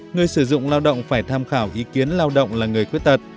người sử dụng lao động phải tham khảo ý kiến lao động là người khuyết tật